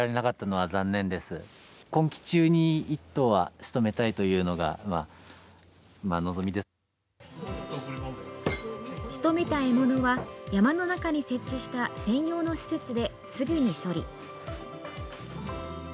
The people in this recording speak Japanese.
しとめた獲物は山の中に設置した専用の施設ですぐに処理。